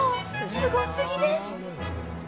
すごすぎです！